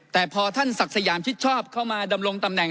แต่พอท่านศักดิ์สยามชิดชอบเข้ามาดำรงตำแหน่ง